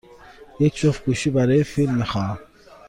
یک جفت گوشی برای فیلم می خواهم.